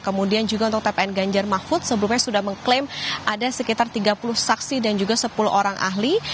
kemudian juga untuk tpn ganjar mahfud sebelumnya sudah mengklaim ada sekitar tiga puluh saksi dan juga sepuluh orang ahli